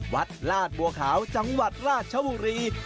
ลาดบัวขาวจังหวัดราชบุรี